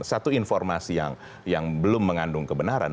satu informasi yang belum mengandung kebenaran